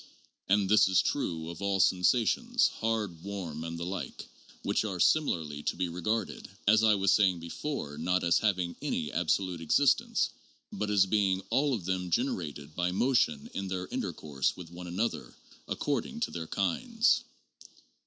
And this is true of all sensations, hard, warm, and the like, which are similarly to be regarded, as I was saying before, not as having any absolute existence, but as being all of them generated by motion in their intercourse with one another, according to their kinds."